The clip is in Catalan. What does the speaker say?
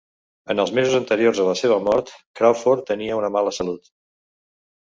En els mesos anteriors a la seva mort, Crawford tenia una mala salut.